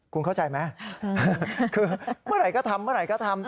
คุณเข้าใจไหมคือเมื่อไหร่ก็ทำเมื่อไหร่ก็ทำ